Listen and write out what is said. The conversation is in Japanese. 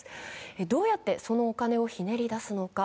どうやってそのお金をひねり出すのか。